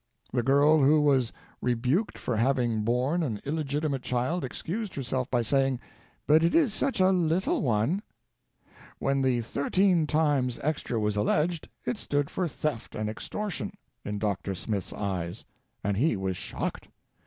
The girl who was rebuked for having borne an illegitimate child, excused herself by saying, "But it is such a little one." When the "thirteen times extra" was alleged, it stood for theft and extortion, in Dr. Smith's eyes, and he was shocked.